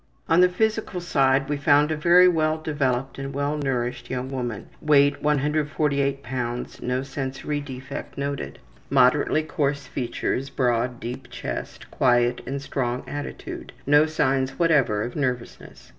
On the physical side we found a very well developed and well nourished young woman. Weight 148 lbs. No sensory defect noted. Moderately coarse features, broad deep chest, quiet and strong attitude. No signs whatever of nervousness.